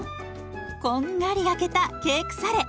こんがり焼けたケークサレ。